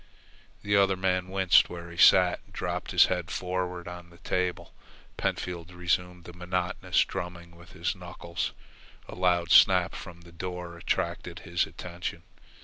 The other man winced where he sat and dropped his head forward on the table. Pentfield resumed the monotonous drumming with his knuckles. A loud snap from the door attracted his attention.